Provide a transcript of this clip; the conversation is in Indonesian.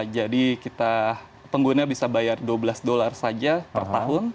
kita pengguna bisa bayar dua belas dolar saja per tahun